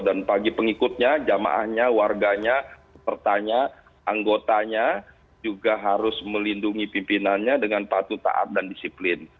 dan bagi pengikutnya jamaahnya warganya pertanyaan anggotanya juga harus melindungi pimpinannya dengan patuh taat dan disiplin